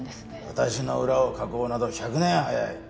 私の裏をかこうなど１００年早い。